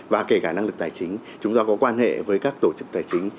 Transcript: và kể cả năng lực tài chính chúng ta có quan hệ với các tổ chức tài chính